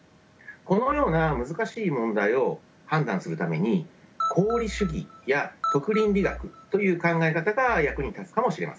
このような難しい問題を判断するために功利主義や徳倫理学という考え方が役に立つかもしれません。